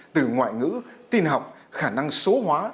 từ ngoại ngữ tin học khả năng số hóa